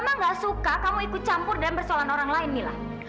mbak suka kamu ikut campur dan bersolah orang lain mila